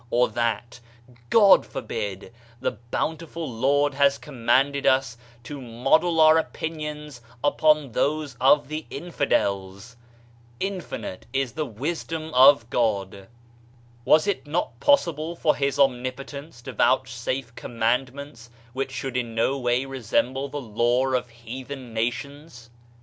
Or that (God forbidi) the Bountiful Lord has commanded us to model our opinions upon diose of the infidels I Infinite ia the wisdom of God! Was it not possible for his Omnipotence * Muhammad. 35 Diaiiizedb, Google MYSTERIOUS FORCES to vouchsafe commandments which should in no way resemble the law of heathen nations?